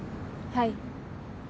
はい。